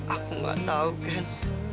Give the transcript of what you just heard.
aku tidak tahu ken